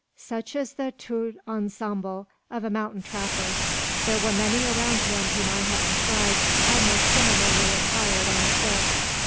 Such is the tout ensemble of a mountain trapper. There were many around him whom I have described almost similarly attired and equipped.